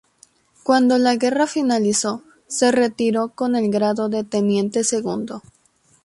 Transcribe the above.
Cuando la guerra finalizó, se retiró con el grado de teniente segundo.